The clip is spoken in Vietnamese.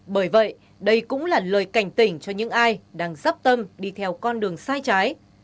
bởi vậy đây cũng là lời cảnh tỉnh cho những ai đang dắp tâm đi theo con đường sai trái